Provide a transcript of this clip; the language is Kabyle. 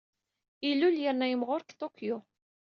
Ilul yerna yemɣuṛ deg Tokyo.